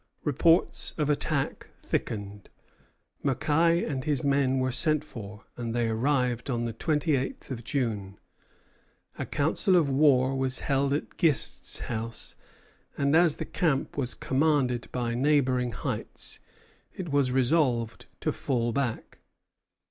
Reports of attack thickened. Mackay and his men were sent for, and they arrived on the twenty eighth of June. A council of war was held at Gist's house; and as the camp was commanded by neighboring heights, it was resolved to fall back.